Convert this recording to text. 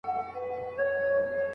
دوه او درې بد صفتونه یې لا نور وي